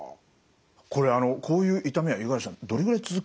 これあのこういう痛みは五十嵐さんどれぐらい続くんですか？